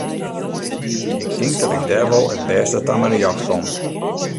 Ik tink dat ik dêr wol it bêste ta myn rjocht kom.